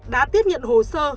đã tiếp nhận hồ sơ